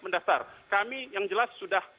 mendaftar kami yang jelas sudah